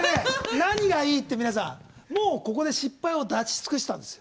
何がいいって、皆さんもう、ここで失敗を出し尽くしたんですよ。